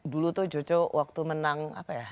dulu tuh jojo waktu menang apa ya